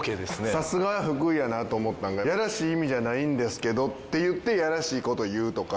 さすがは福井やなと思ったんが「やらしい意味じゃないんですけど」って言ってやらしい事言うとか。